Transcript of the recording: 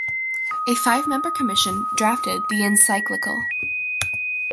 A five-member commission drafted the encyclical.